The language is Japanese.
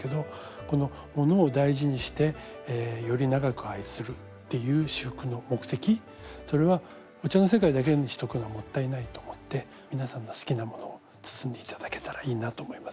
このものを大事にしてより長く愛するっていう仕覆の目的それはお茶の世界だけにしとくのはもったいないと思って皆さんの好きなものを包んで頂けたらいいなと思います。